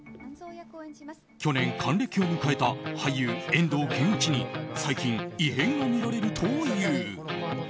去年、還暦を迎えた俳優・遠藤憲一に最近、異変が見られるという。